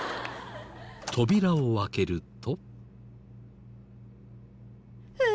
扉を開けると。